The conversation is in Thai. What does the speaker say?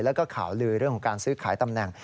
แล้วก็ข่าวลือเรื่องของการซื้อขายตำแหน่ง